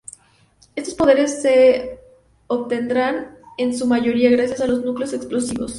Estos poderes se obtendrán, en su mayoría, gracias a los núcleos explosivos.